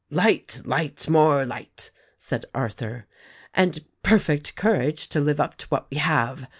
"Light, light, more light!" said Arthur. "And perfect courage to live up to what we have